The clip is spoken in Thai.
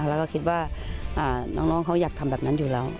แล้วก็คิดว่าน้องเขาอยากทำแบบนั้นอยู่แล้ว